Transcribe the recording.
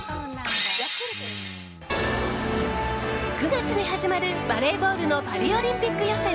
９月に始まるバレーボールのパリオリンピック予選。